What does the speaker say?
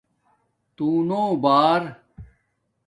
تُݸنو بار